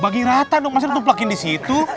bagi rata dong masa ditumpukin di situ